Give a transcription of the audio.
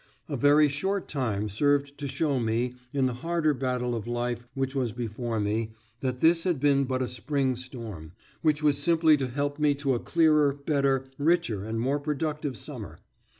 A very short time served to show me, in the harder battle of life Which was before me, that this had been but a spring storm, which was simply to help me to a clearer, better, richer, and more productive summer.